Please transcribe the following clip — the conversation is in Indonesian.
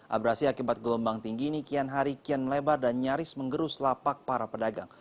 abrasi akibat gelombang tinggi ini kian hari kian melebar dan nyaris menggerus lapak para pedagang